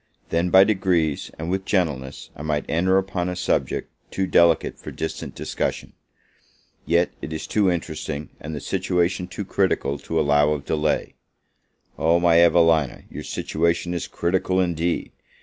then, by degrees, and with gentleness, I might enter upon a subject too delicate for distant discussion. Yet is it too interesting, and the situation too critical, to allow of delay. Oh, my Evelina, your situation is critical indeed!